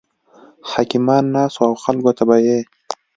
حکیمان ناست وو او خلکو ته به یې